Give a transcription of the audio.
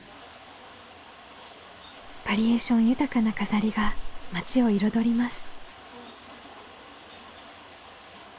バリエーション豊かな飾りが町を彩ります。